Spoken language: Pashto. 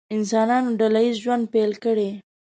انسانانو ډله ییز ژوند پیل کړی.